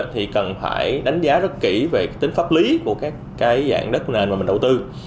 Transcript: thì cần phải đánh giá rất kỹ về tính pháp lý của các dạng đất nền mà mình đầu tư